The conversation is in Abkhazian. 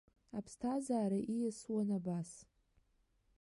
Аԥсҭазаара ииасуан абас.